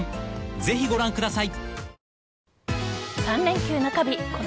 ぜひご覧ください！］